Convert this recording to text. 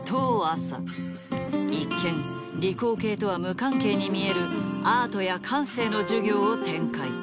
一見理工系とは無関係に見えるアートや感性の授業を展開。